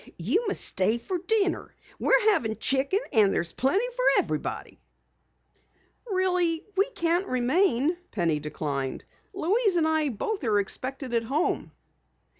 "You must stay for dinner. We're having chicken and there's plenty for everybody!" "Really we can't remain," Penny declined. "Louise and I both are expected at home."